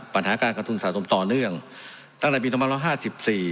ปัญหาการกับทุนสาธุมต่อเนื่องตั้งแต่ปีธมรรมละห้าสิบสี่